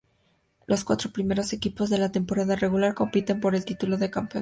Los cuatro primeros equipos de la temporada regular compiten por el título del campeonato.